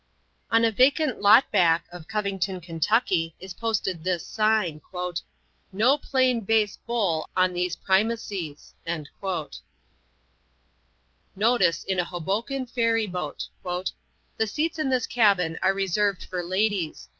On a vacant lot back of Covington, Kentucky, is posted this sign: "No plane base Boll on these Primaces." Notice in a Hoboken ferry boat: "The seats in this cabin are reserved for ladies.